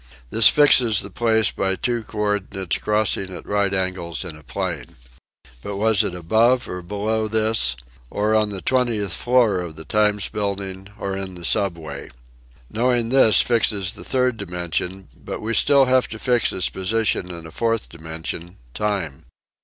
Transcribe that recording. This fixes the place by two coordinates crossing at right angles in a plane. But was it above or below this, on the twentieth floor of the Times Building or in the Sub way ? Knowing this fixes the third dimension, but we have still to fix its position in a fourth dimension, time.